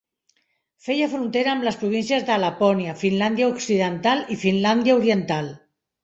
Feia frontera amb les províncies de Lapònia, Finlàndia Occidental i Finlàndia Oriental.